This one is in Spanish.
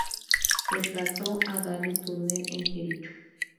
Retrató a Dale Turner en "Jericho".